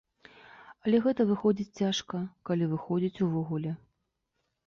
Але гэта выходзіць цяжка, калі выходзіць увогуле.